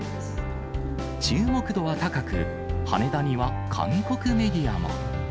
注目度は高く、羽田には韓国メディアも。